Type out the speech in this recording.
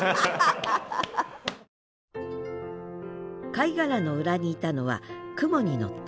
貝殻の裏にいたのは雲に乗った天使。